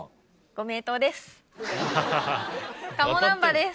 ご名答です。